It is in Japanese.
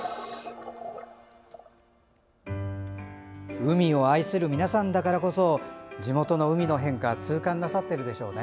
海を愛する皆さんだからこそ地元の海の変化も痛感なさっているでしょうね。